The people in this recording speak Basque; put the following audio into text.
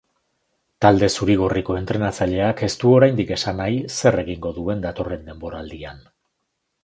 Talde zuri-gorriko entrenatzaileak ez du oraindik esan nahi zer egingo duen datorren denboraldian.